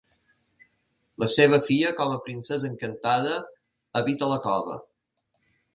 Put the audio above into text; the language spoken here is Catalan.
La seua filla, com a princesa encantada, habita en la cova.